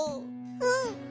うん。